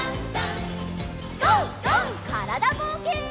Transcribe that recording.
からだぼうけん。